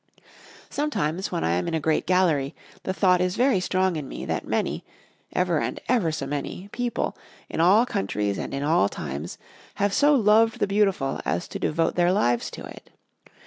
Sometimes, when I am in a great gallery, the thought is very strong in me, that many (ever, and ever so many) people, in all countries and in all times, have so loved the beautiful as to devote their lives to it.